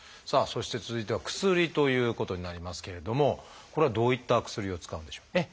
さあそして続いては「薬」ということになりますけれどもこれはどういった薬を使うんでしょう？